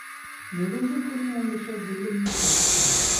Бөгөнгө көн менән йәшәү бөлгөнлөккә төшөрә.